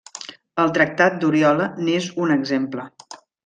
El Tractat d'Oriola n'és un exemple.